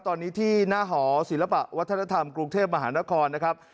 ตอนนี้ที่หน้าหอศิลปะวัฒนธรรมกรุงเทพมหานครนะครับ